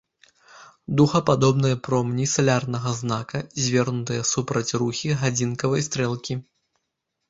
Дугападобныя промні салярнага знака звернутыя супраць рухі гадзіннікавай стрэлкі.